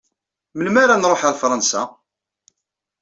Melmi ara nruḥ ɣer Fransa.